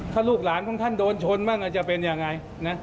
ถ้าลูกหลานของท่านโดนชนบ้างจะเป็นยังไงนะ